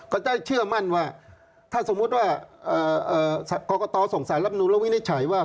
ก็จะเชื่อมั่นว่าถ้าสมมุติว่ากรกตส่งสารรับนูนแล้ววินิจฉัยว่า